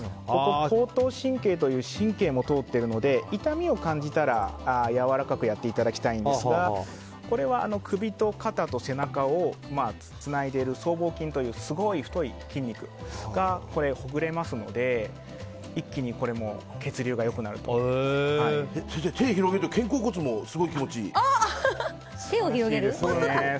神経も通っているので痛みを感じたらやわらかくやっていただきたいんですがこれは首と肩と背中をつないでいる僧帽筋というすごい太い筋肉がほぐれますので先生、手を広げると肩甲骨もすごい気持ちいい。